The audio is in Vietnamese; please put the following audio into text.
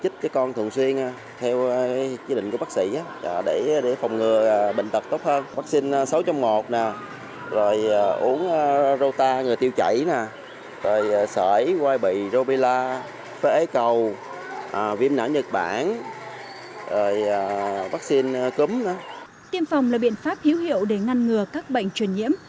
tiêm phòng là biện pháp hiếu hiệu để ngăn ngừa các bệnh truyền nhiễm